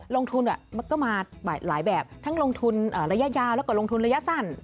ลงทุนมันก็มาหลายแบบทั้งลงทุนระยะยาวแล้วก็ลงทุนระยะสั้น